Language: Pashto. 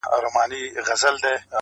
• او غمجن غږ خپروي تل,